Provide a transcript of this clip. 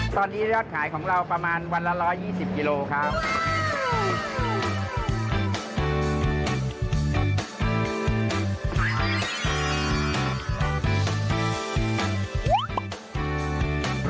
ตอนนี้ยอดขายของเราประมาณวันละ๑๒๐กิโลครับ